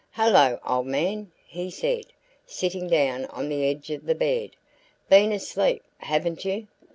"Hello, old man!" he said, sitting down on the edge of the bed. "Been asleep, haven't you?